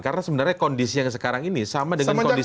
karena sebenarnya kondisi yang sekarang ini sama dengan kondisi